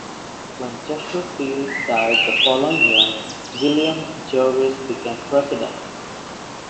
When Chesterfield died the following year, William Jervis became President.